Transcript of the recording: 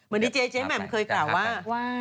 ปล่อยให้เบลล่าว่าง